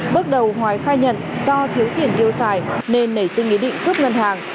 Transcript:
bước đầu hoài khai nhận do thiếu tiền tiêu xài nên nảy sinh ý định cướp ngân hàng